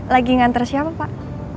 lagi nganter siapa pak